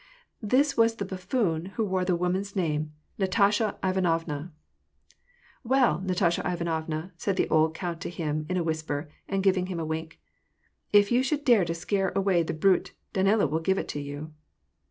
This was the buffoon who bore the woman's name, Nastasya Ivanovna. *' Well, Nastasya Ivanovna," said the old count to him in a whisper, and giving him a wink, " if you should dare to scare away the brute, D^ila would give it to you